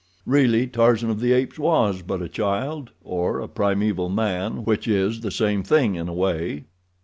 Really Tarzan of the Apes was but a child, or a primeval man, which is the same thing in a way.